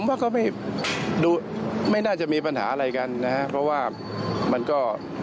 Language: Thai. ผมว่าก็ไม่ดูไม่น่าจะมีปัญหาอะไรกันนะฮะเพราะว่ามันก็